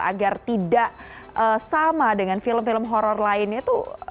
agar tidak sama dengan film film horror lainnya itu